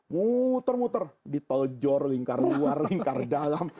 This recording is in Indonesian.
muter muter di teljor lingkar luar lingkar dalam